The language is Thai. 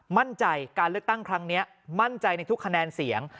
มั่นใจการเลือกตั้งครั้งนี้มั่นใจในทุกคะแนนเสียง